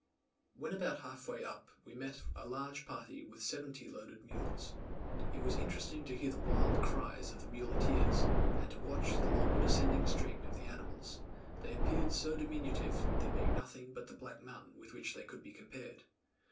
When about half way up we met a large party with seventy loaded mules. It was interesting to hear the wild cries of the muleteers, and to watch the long descending string of the animals; they appeared so diminutive, there being nothing but the black mountains with which they could be compared.